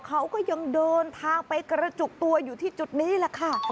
เขาก็ยังเดินทางไปกระจุกตัวอยู่ที่จุดนี้แหละค่ะ